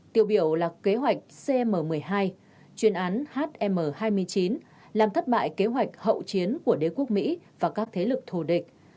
tiêu biểu là kế hoạch cm một mươi hai chuyên án hm hai mươi chín làm thất bại kế hoạch hậu chiến của đế quốc mỹ và các thế lực thù địch